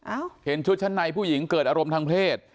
เห็นชุดชั้นในผู้หญิงเกิดอารมณ์ทางเพศ